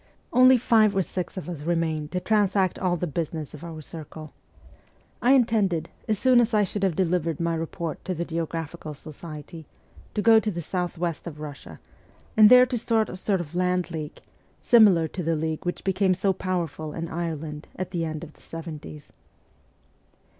Only five or six of us remained to transact all the business of our circle. I intended, as soon as I should have delivered my report to the Geographical Society, to go to the south west of Russia, and there to start a sort of land league, similar to the league which became so powerful in Ireland at the end of the seventies.